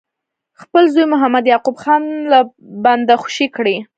خپل زوی محمد یعقوب خان له بنده خوشي کړي.